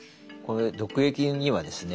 毒液にはですね